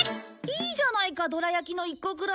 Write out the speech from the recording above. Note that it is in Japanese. いいじゃないかどら焼きの１個くらい。